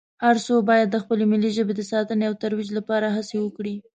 هر څو باید د خپلې ملي ژبې د ساتنې او ترویج لپاره هڅې وکړي